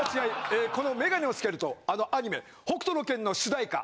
えこのメガネを付けるとあのアニメ『北斗の拳』の主題歌。